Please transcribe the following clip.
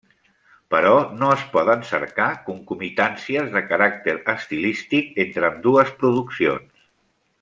Però no es poden cercar concomitàncies de caràcter estilístic entre ambdues produccions.